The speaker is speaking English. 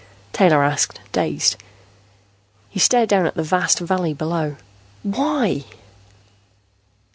Taylor asked, dazed. He stared down at the vast valley below. "Why?"